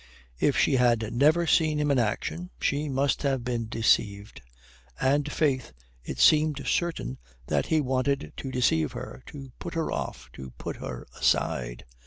If she had never seen him in action she must have been deceived. And, faith, it seemed certain that he wanted to deceive her, to put her off, to put her aside.